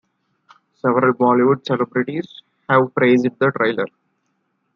Several bollywood celebrities have praised the trailer.